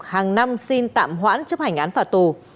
hàng năm xin tạm hoãn chấp hành án phạt tù